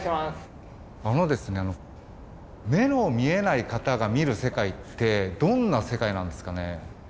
あのですねあの目の見えない方が見る世界ってどんな世界なんですかね？